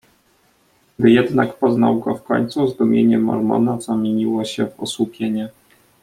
"Gdy jednak poznał go w końcu, zdumienie Mormona zamieniło się w osłupienie."